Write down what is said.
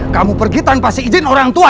kamu pergi tanpa seizin orang tua